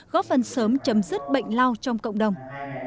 góp phần sớm chấm dứt bệnh lao trong cộng đồng